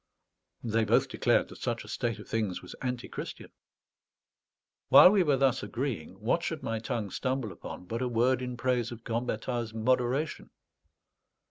They both declared that such a state of things was antichristian. While we were thus agreeing, what should my tongue stumble upon but a word in praise of Gambetta's moderation?